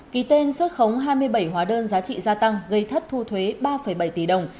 ký tên xuất khống hai mươi bảy hóa đơn giá trị gia tăng gây thất thu thuế ba bảy tỷ đồng